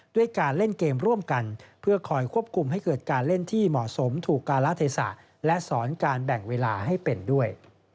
ด้วยการเล่นเกมร่วมกันเพื่อคอยควบคุมให้เกิดการเล่นที่เหมาะสมถูกการละเทศะและสอนการแบ่งเวลาให้เป็นด้วย